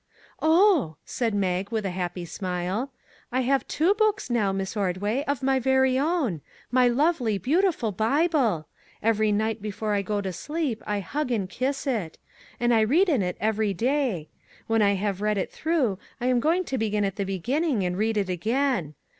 " Oh," said Mag, with a happy sfhile, " I have two books now, Miss Ordway, of my very own. My lovely, beautiful Bible! Every night before I go to sleep I hug it and kiss it. And I read in it every day. When I have read it through, I am going to begin at the beginning and read it again.